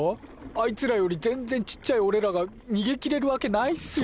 あいつらよりぜんぜんちっちゃいおれらがにげきれるわけないっすよ。